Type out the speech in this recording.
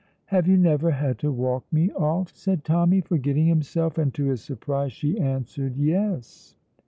"Have you never had to walk me off?" said Tommy, forgetting himself, and, to his surprise, she answered, "Yes."